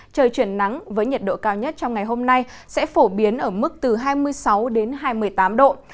trời chuyển nắng với nhiệt độ cao nhất trong ngày hôm nay sẽ phổ biến ở mức từ hai mươi sáu đến hai mươi tám độ